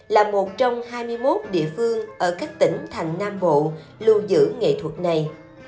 là một trong hai mươi một địa phương ở các tỉnh thành nam bộ lưu giữ nghệ thuật này